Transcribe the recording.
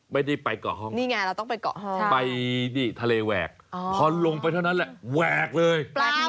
ไม่ได้ไปเกาะฮ่องไปทะเลแวกพอลงไปเท่านั้นแหละแล้วแวกเลย